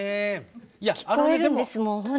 聞こえるんですもん